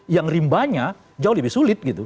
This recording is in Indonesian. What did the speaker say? yang rimbanya jauh lebih sulit gitu